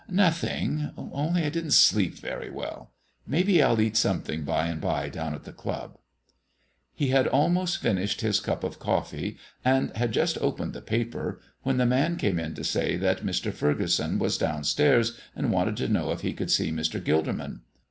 "Nothing; only I didn't sleep very well. Maybe I'll eat something by and by down at the club." He had almost finished his cup of coffee, and had just opened the paper, when the man came in to say that Mr. Furgeson was down stairs and wanted to know if he could see Mr. Gilderman.